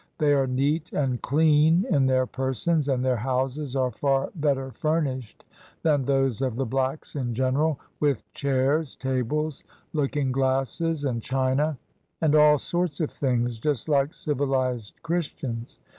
They are neat and clean in their persons, and their houses are far better furnished than those of the blacks in general, with chairs, tables, looking glasses, and china, and all sorts of things, just like civilised Christians.